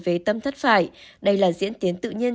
về tâm thất phải đây là diễn tiến tự nhiên